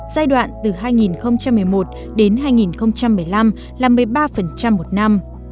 giai đoạn từ hai nghìn một mươi một đến hai nghìn một mươi năm là một mươi ba một năm